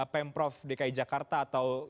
pemprov dki jakarta atau